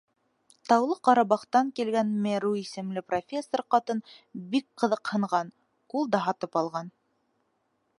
Таулы Ҡарабахтан килгән Мэру исемле профессор ҡатын бик ҡыҙыҡһынған, ул да һатып алған.